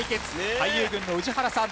俳優軍の宇治原さん